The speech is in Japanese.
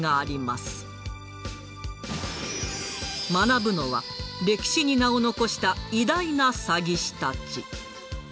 私学ぶのは歴史に名を残した偉大な詐欺師たち。